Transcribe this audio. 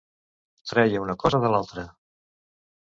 Treia una cosa de l'altra.